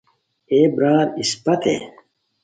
ائے برار اسپتے